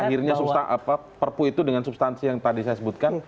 lahirnya perpu itu dengan substansi yang tadi saya sebutkan